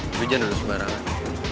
bebis dan lu juga ngarang